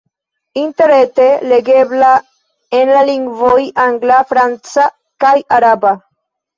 Interrete legebla en la lingvoj angla, franca kaj araba.